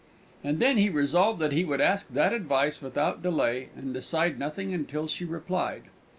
And then he resolved that he would ask that advice without delay, and decide nothing until she replied.